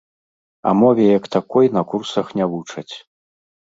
А мове як такой на курсах не вучаць.